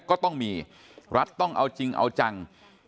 ก็ต้องมีรัฐต้องเอาจริงเอาจัง